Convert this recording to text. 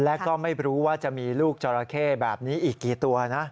และก็ไม่รู้ว่าจะมีลูกจราเข้แบบนี้อีกกี่ตัวนะ